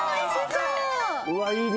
うわいいな。